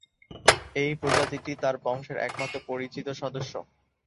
এই প্রজাতিটি এর বংশের একমাত্র পরিচিত সদস্য।